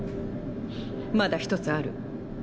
まだ１つある。